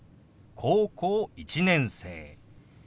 「高校１年生」。